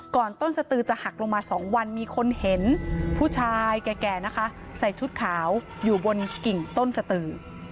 ต้นสตือจะหักลงมา๒วันมีคนเห็นผู้ชายแก่นะคะใส่ชุดขาวอยู่บนกิ่งต้นสตือ